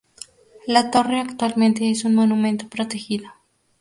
La torre actualmente es un monumento protegido.